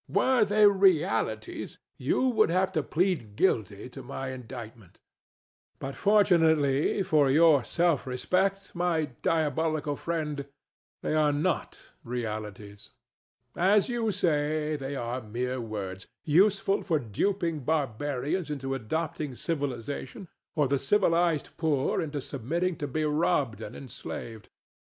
Were they realities, you would have to plead guilty to my indictment; but fortunately for your self respect, my diabolical friend, they are not realities. As you say, they are mere words, useful for duping barbarians into adopting civilization, or the civilized poor into submitting to be robbed and enslaved.